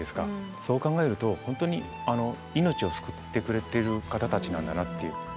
そう考えると本当に命を救ってくれている方たちなんだなっていう。